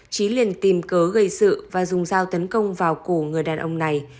trí liền tìm cớ gây sự và dùng dao tấn công vào cổ người đàn ông này